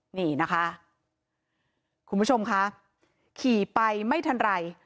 นี่นะคะคุณผู้ชมค่ะขี่ไปไม่ทันไร